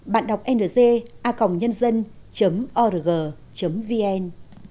bạn đọc ng a nhân dân org vn